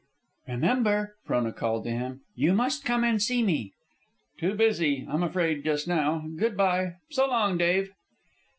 "Remember," Frona called to him, "you must come and see me." "Too busy, I'm afraid, just now. Good by. So long, Dave."